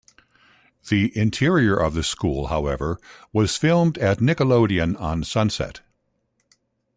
The interior of the school, however, was filmed at Nickelodeon on Sunset.